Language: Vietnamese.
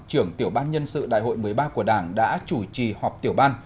trưởng tiểu ban nhân sự đại hội một mươi ba của đảng đã chủ trì họp tiểu ban